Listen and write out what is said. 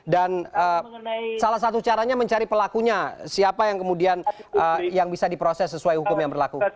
dan salah satu caranya mencari pelakunya siapa yang kemudian yang bisa diproses sesuai hukum yang berlaku